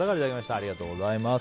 ありがとうございます。